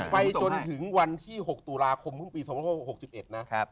ไปจนถึงวันที่๖ตุลาคมปี๒๖๖๑นะ